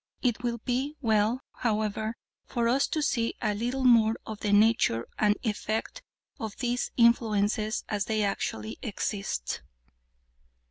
It will be well, however, for us to see a little more of the nature and effect of these influences as they actually exist.